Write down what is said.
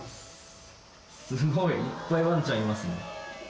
すごいいっぱいワンちゃんいますね。